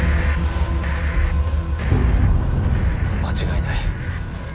間違いない。